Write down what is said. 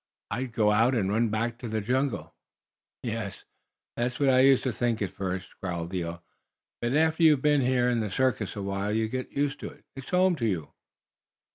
I'd go out and run back to the jungle." "Yes, that's what I used to think, at first," growled Leo. "But after you've been in the circus awhile you get used to it. It's home to you.